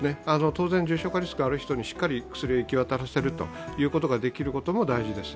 当然、重症化リスクのある方にしっかり薬を行き渡らせることができるようにすることが大事です。